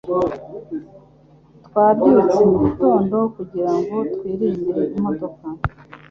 Twabyutse mugitondo kugirango twirinde imodoka.